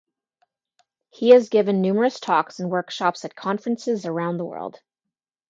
He has given numerous talks and workshops at conferences around the world.